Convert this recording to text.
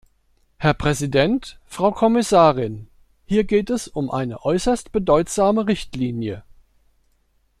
Herr Präsident, Frau Kommissarin! Hier geht es um eine äußert bedeutsame Richtlinie.